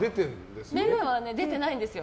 目は出てないんですよ。